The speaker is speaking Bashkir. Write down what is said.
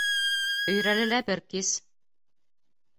Өйрәлелә бер кис.